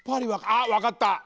あっわかった！